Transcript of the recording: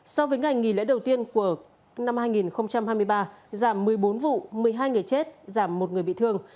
so với ngày nghỉ lễ đầu tiên của năm hai nghìn hai mươi ba giảm một mươi bốn vụ một mươi hai người chết giảm một người bị thương